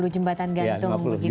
lima puluh jembatan gantung begitu